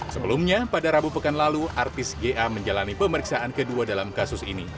sebelumnya pada rabu pekan lalu artis ga menjalani pemeriksaan kedua dalam kasus ini